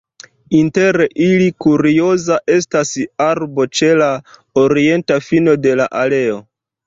Inter ili kurioza estas arbo ĉe la orienta fino de la aleo.